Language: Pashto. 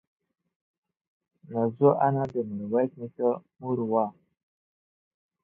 نازو انا د ميرويس نيکه مور وه.